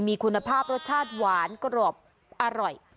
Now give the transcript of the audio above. มีคุณภาพรสชาติหวานกรอบอร่อย